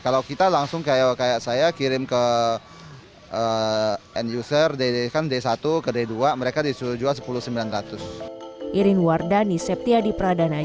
kayak saya kirim ke end user kan d satu ke d dua mereka disujul jual rp sepuluh sembilan ratus